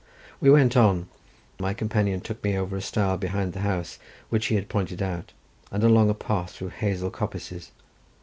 We went on: my companion took me over a stile behind the house which he had pointed out, and along a path through hazel coppices.